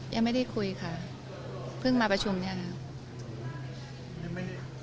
ยังไม่ได้คุยค่ะเพิ่งมาประชุมเนี่ยนะครับ